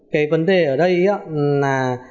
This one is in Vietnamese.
cái vấn đề ở đây là